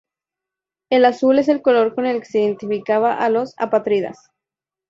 El azul es el color con el que se identificaba a los apátridas.